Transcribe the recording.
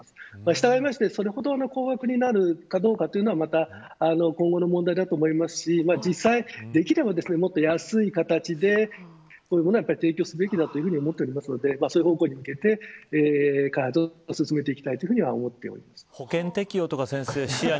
したがって、それほど高額になるかどうかというのはまた今後の問題だと思いますし実際、できれば、もっと安い形でこういうものは提供すべきだと思っているのでそういう方向に向けて開発を進めていきたいと思っています。